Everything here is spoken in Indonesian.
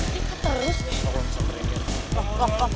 tingkat terus nih